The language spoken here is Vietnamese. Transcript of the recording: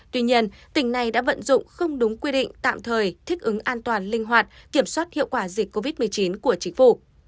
tuy nhiên tỉnh này đã vận dụng không đúng quy định tạm thời thích ứng an toàn linh hoạt kiểm soát hiệu quả dịch covid một mươi chín của chính phủ